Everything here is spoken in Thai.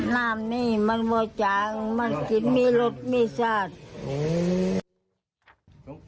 น้ำนี้มันไม่จางมันกินมีรถผู้น้ำมีเส้น